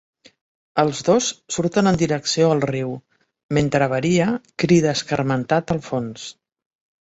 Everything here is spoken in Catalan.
Els dos surten en direcció al riu, mentre Varya crida escarmentat al fons.